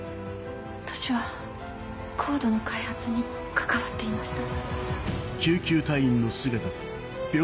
私はＣＯＤＥの開発に関わっていました。